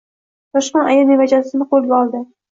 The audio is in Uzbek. Toshxon aya nevarasini qo‘lga oldi.